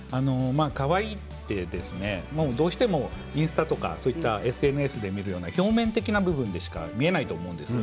カワイイはどうしてもインスタとかそういったＳＮＳで見るような表面的な部分でしか見えないと思うんですよ。